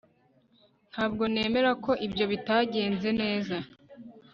Ntabwo nemera ko ibyo bitagenze neza